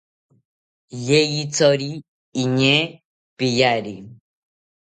Yeyithori iñee peyari